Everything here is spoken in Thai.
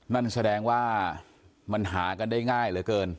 นั่นแสดงว่ามันหากันได้ง่ายเหลือเกิน